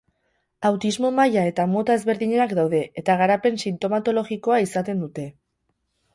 Autismo maila eta mota ezberdinak daude eta garapen sintomatologikoa izaten dute.